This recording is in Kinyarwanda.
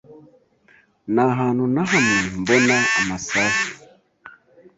Nta hantu na hamwe mbona amasasu.